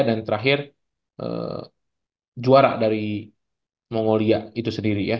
dan terakhir juara dari mongolia itu sendiri ya